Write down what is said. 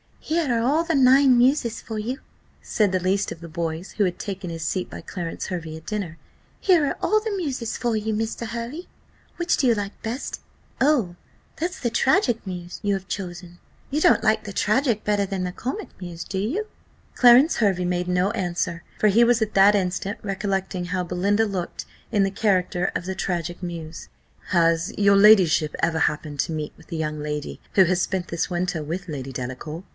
"Here are all the nine muses for you," said the least of the boys, who had taken his seat by Clarence Hervey at dinner; "here are all the muses for you, Mr. Hervey: which do you like best? Oh, that's the tragic muse that you have chosen! You don't like the tragic better than the comic muse, do you?" Clarence Hervey made no answer, for he was at that instant recollecting how Belinda looked in the character of the tragic muse. "Has your ladyship ever happened to meet with the young lady who has spent this winter with Lady Delacour?"